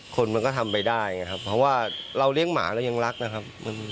คนมันก็ทำไปได้ไงครับเพราะว่าเราเลี้ยงหมาเรายังรักนะครับ